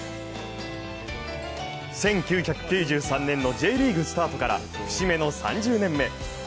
１９９３年のＪリーグスタートから節目の３０年目。